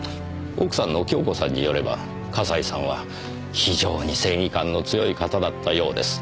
奥さんの亨子さんによれば笠井さんは非常に正義感の強い方だったようです。